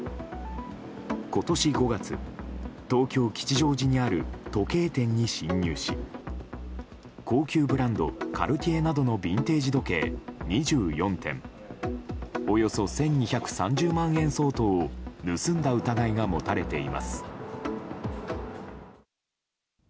今年５月、東京・吉祥寺にある時計店に侵入し高級ブランド、カルティエなどのビンテージ時計２４点およそ１２３０万円相当を盗んだ疑いが持たれています。